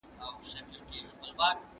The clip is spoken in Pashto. صدقه د ټولني ستونزي حل کوي.